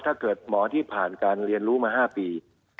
ถ้าเกิดหมอที่ผ่านการเรียนรู้มา๕ปี